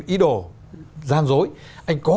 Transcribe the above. ý đồ gian dối anh có